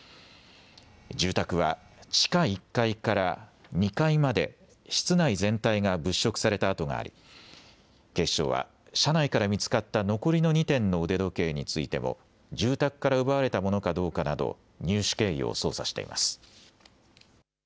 住宅は地下１階から２階まで、室内全体が物色された跡があり、警視庁は、車内から見つかった残りの２点の腕時計についても、住宅から奪われたものかどうかなど、入手経緯を捜査しています。